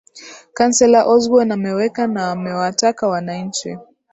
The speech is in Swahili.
councellor osborn ameweka na amewataka wananchi